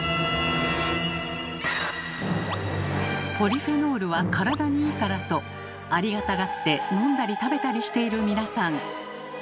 ポリフェノールは体にいいからとありがたがって飲んだり食べたりしている皆さん。